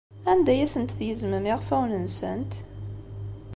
Anda ay asent-tgezmem iɣfawen-nsent?